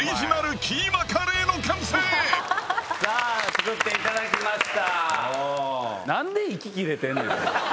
作っていただきました。